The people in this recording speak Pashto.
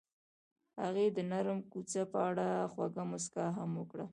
هغې د نرم کوڅه په اړه خوږه موسکا هم وکړه.